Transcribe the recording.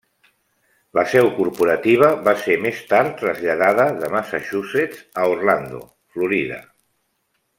La seu corporativa va ser més tard traslladada de Massachusetts a Orlando, Florida.